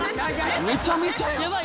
めちゃめちゃやん。